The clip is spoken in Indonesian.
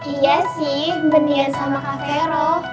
iya sih mendingan sama kak hero